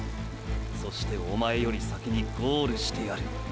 そしておまえより先にゴールしてやる。